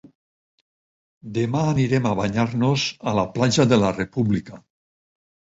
Demà anirem a banyar-nos a la platja de la República.